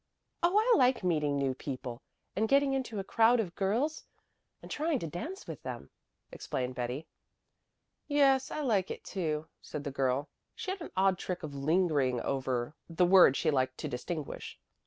"Oh, I like meeting new people, and getting into a crowd of girls, and trying to dance with them," explained Betty. "Yes, I liked it too," said the girl. She had an odd trick of lingering over the word she wished to distinguish.